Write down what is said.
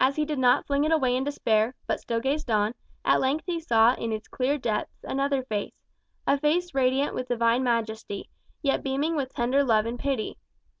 As he did not fling it away in despair, but still gazed on, at length he saw in its clear depths another Face a Face radiant with divine majesty, yet beaming with tender love and pity.